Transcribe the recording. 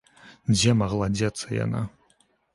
Дзе магла дзецца яна?